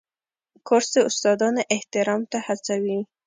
کورس د استادانو احترام ته هڅوي.